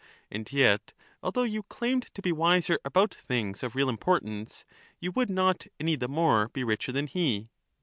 And yet, although you claimed to be wiser about things of real importance, you would not any the more be richer than he.